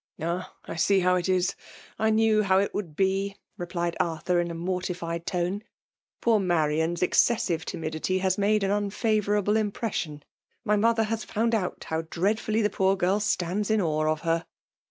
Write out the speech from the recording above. '^'^ Ah 1 I see how it is — ^I knew how it would be l" replied Arthur, in a mortified tone; poor Marian's excessive . timidity has made aft imflmKiiable impression. . My mother 'haa fimhd oat how dreadfully the poor girl stands in awe' of her."